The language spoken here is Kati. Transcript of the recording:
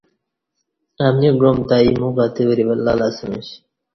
امنی گعام تہ ایمو کتہ وری ولہ لہ اسمیش